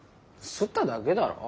擦っただけだろ？